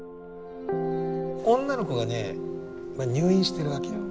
女の子がね入院してる訳よ。